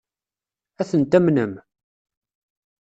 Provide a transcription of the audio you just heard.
Ad ten-tamnem?